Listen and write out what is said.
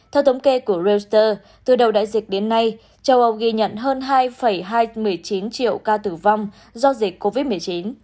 theo thống kê của reuter từ đầu đại dịch đến nay châu âu ghi nhận hơn hai một mươi chín triệu ca tử vong do dịch covid một mươi chín